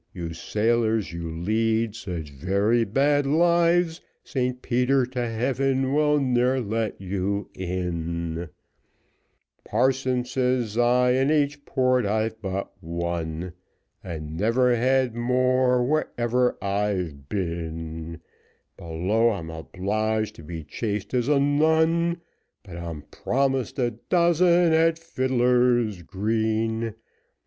You sailors, you lead such very bad lives, St Peter, to heaven, will ne'er let you in Parson, says I, in each port I've but one, And never had more, wherever I've been; Below I'm obliged to be chaste as a nun, But I'm promised a dozen at Fidler's Green.